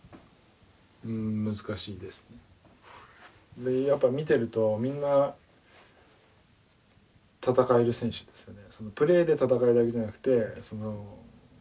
やっぱこうやっぱ見てるとみんな戦える選手ですね。